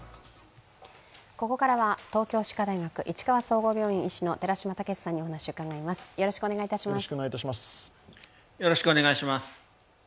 ここからは東京歯科大学市川総合病院医師の寺嶋毅さんにお話を伺います。